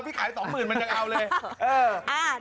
พี่ขาย๒๐๐๐มันยังเอาเลย